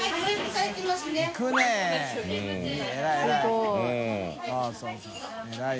はい。